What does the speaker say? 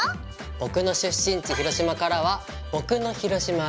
僕の出身地広島からは僕の広島ＬＯＶＥ